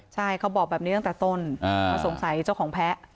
ใช่เขาบอกแบบนี้ตั้งแต่ต้นว่าสงสัยเจ้าของแพ้